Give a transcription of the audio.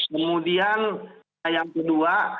kemudian yang kedua